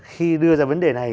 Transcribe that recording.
khi đưa ra vấn đề này